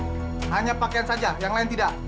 ada yang punya pakaian saja yang lain tidak